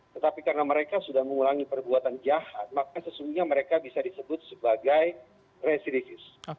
tetapi karena mereka sudah mengulangi perbuatan jahat maka sesungguhnya mereka bisa disebut sebagai residivis